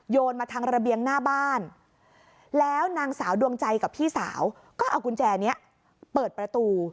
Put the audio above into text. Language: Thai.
นมาทางระเบียงหน้าบ้านแล้วนางสาวดวงใจกับพี่สาวก็เอากุญแจนี้เปิดประตู